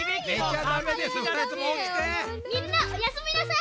みんなおやすみなさい！